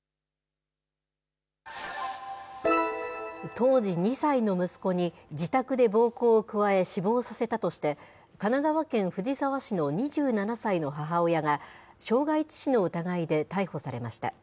当時２歳の息子に、自宅で暴行を加え、死亡させたとして、神奈川県藤沢市の２７歳の母親が、傷害致死の疑いで逮捕されました。